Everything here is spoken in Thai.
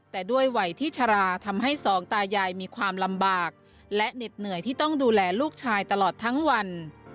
แต่ด้วยวัยที่ชราทำให้สองตายายมีความลำบากและเหน็ดเหนื่อยที่ต้องดูแลลูกชายตลอดทั้งวัน